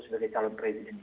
sebagai calon presiden